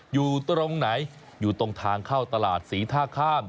อยู่ตรงไหนอยู่ตรงทางเข้าตลาดศรีท่าข้าม